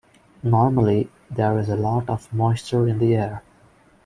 Normally, there is a lot of moisture in the air.